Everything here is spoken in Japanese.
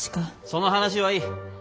その話はいい。